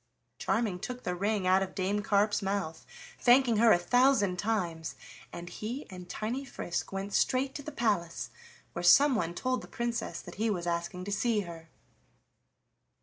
Charming took the ring out of Dame Carp's mouth, thanking her a thousand times, and he and tiny Frisk went straight to the palace, where someone told the Princess that he was asking to see her.